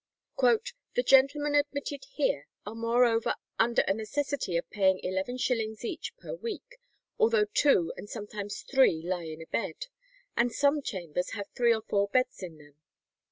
"The gentlemen admitted here are moreover under a necessity of paying 11_s._ each per week, although two and sometimes three lie in a bed, and some chambers have three or four beds in them."